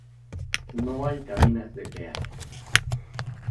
No hay cabinas de peaje.